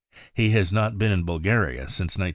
He has not been in Bulgaria since 1923.